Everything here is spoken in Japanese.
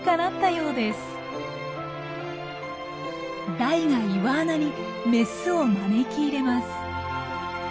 ダイが岩穴にメスを招き入れます。